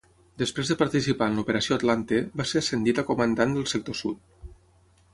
Després de participar en l'Operació Atlante, va ser ascendit a comandant del sector sud.